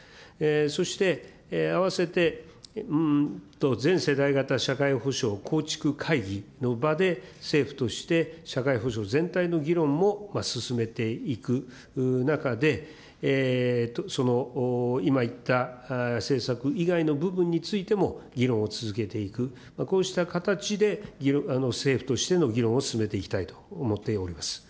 そして、あわせて全世代型社会保障構築会議の場で、政府として社会保障全体の議論も進めていく中で、今言った政策以外の部分についても、議論を続けていく、こうした形で政府としての議論を進めていきたいと思っております。